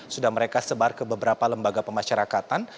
sudah mereka sebar ke beberapa lembaga pemasyarakatan